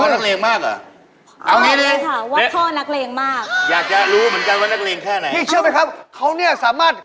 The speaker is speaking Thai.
นักเรงไปรากผู้หญิงตัวนั้นมาด้วย